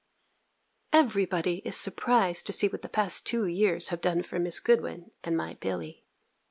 Every body is surprised to see what the past two years have done for Miss Goodwin and my Billy.